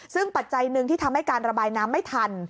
ซึ่งปัจจัยหนึ่งที่ทำให้การระบายน้ำไม่ทัน